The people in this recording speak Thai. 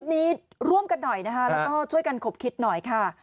นี้ร่วมกันหน่อยนะคะแล้วก็ช่วยกันขบคิดหน่อยค่ะ